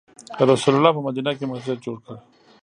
رسول الله په مدینه کې مسجد جوړ کړ.